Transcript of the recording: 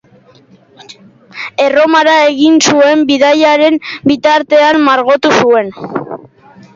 Erromara egin zuen bidaiaren bitartean margotu zuen.